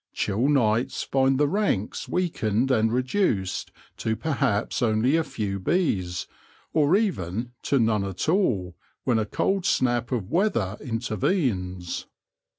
Chill nights find the ranks weakened and reduced to perhaps only a few bees, or even to none at all when a cold snap of weather intervenes.